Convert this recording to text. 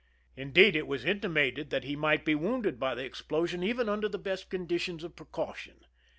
Indeed, it was intimated that he 84 THE RUN IN miglit be wounded by the explosion even under the best conditions of precaution.